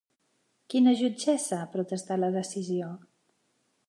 Quina jutgessa ha protestat la decisió?